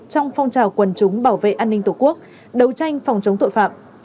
trong phong trào quần chúng bảo vệ an ninh tổ quốc đấu tranh phòng chống tội phạm